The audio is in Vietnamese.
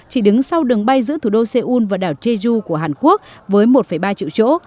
chỉ đứng sau đường bay giữa thủ đô seoul và đảo jeju của hàn quốc với một ba triệu chỗ